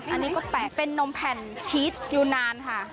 อันนี้ก็แปลกเป็นนมแผ่นชีสยูนานค่ะ